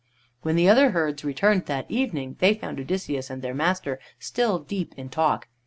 When the other herds returned that evening they found Odysseus and their master still deep in talk.